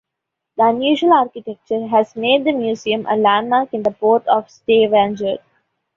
The unusual architecture has made the museum a landmark in the Port of Stavanger.